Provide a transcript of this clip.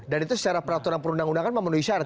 itu secara peraturan perundang undangan memenuhi syarat